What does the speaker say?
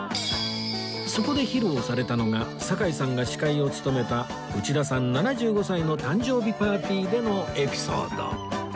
そこで披露されたのが堺さんが司会を務めた内田さん７５歳の誕生日パーティーでのエピソード